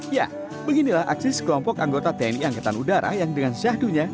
ya beginilah aksi sekelompok anggota tni angkatan udara yang dengan syahdunya